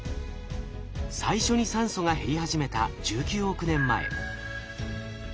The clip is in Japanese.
最初に酸素が減り始めた１９億年前。